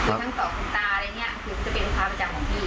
ครับลูกค้าสักทีลูกสับปัดสักใดมือคือเขาจะมาทำความงามที่นี่